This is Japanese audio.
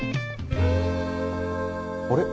あれ？